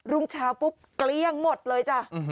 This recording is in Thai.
๒๓รุงชาวปุ๊บเกรี้ยงหมดเลยจ้ะ